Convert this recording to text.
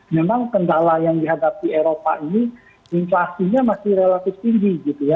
memang kendala yang dihadapi eropa ini inflasinya masih relatif tinggi gitu ya